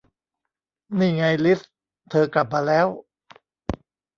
นี่ไงลิซ เธอกลับมาแล้ว